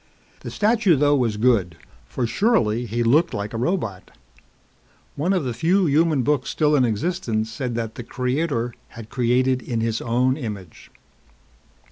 The statue though was good for surely he looked like a robot. One of the few human books still in existence said that the Creator had created in his own image.